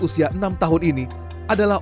usia enam tahun ini adalah